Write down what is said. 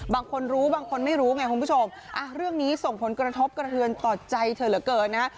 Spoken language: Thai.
บางคนรู้บางคนไม่รู้ไงคุณผู้ชมเรื่องนี้ส่งผลกระทบกระเทือนต่อใจเธอเหลือเกินนะฮะ